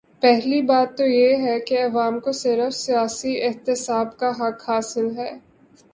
پہلی بات تو یہ ہے کہ عوام کو صرف سیاسی احتساب کا حق حاصل ہے۔